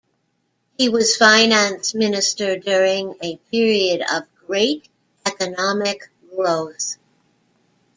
He was Finance Minister during a period of great economic growth.